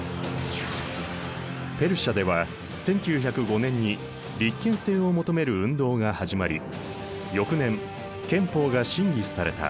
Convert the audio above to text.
ペルシャでは１９０５年に立憲制を求める運動が始まり翌年憲法が審議された。